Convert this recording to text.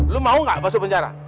lu mau gak masuk penjara